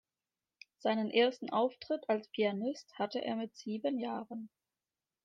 Seinen ersten Auftritt als Pianist hatte er mit sieben Jahren.